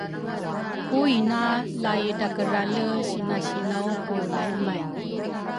Ku ina la idrakerale sinasinaw ku laimay